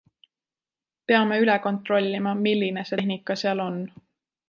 Peame üle kontrollima, milline see tehnika seal on.